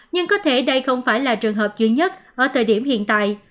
nhưng có thể đây không phải là trường hợp duy nhất ở thời điểm hiện tại